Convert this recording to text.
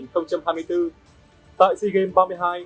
tại sea games ba mươi hai